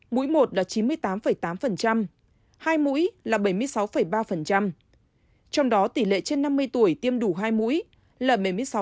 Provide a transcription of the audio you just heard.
mũi một là chín mươi tám tám hai mũi là bảy mươi sáu ba trong đó tỉ lệ trên năm mươi tuổi tiêm đủ hai mũi là bảy mươi sáu một mươi một